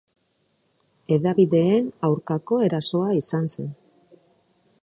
Hedabideen aurkako erasoa izan zen.